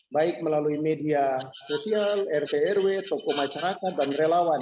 baik melalui media sosial rtrw toko masyarakat dan relawan